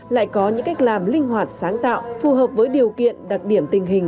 lại có những cách làm linh hoạt sáng tạo phù hợp với điều kiện đặc điểm tình hình